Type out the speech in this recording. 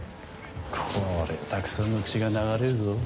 こりゃたくさんの血が流れるぞ。